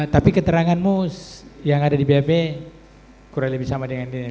tapi keteranganmu yang ada di bap kurang lebih sama dengan dia